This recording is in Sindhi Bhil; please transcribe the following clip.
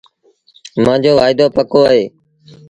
مآݩجو وآئيٚدوپڪو اهي